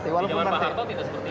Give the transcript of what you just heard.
di dewan paharto tidak seperti itu